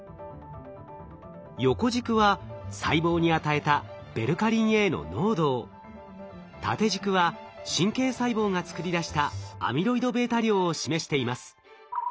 横軸は細胞に与えたベルカリンＡの濃度を縦軸は神経細胞が作り出したアミロイドβ量を示しています。